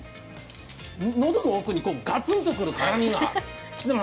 喉の奥にガツンと来る辛みが。